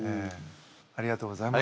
ありがとうございます。